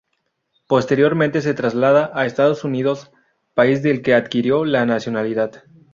Posteriormente se traslada a Estados Unidos, país del que adquirió la nacionalidad.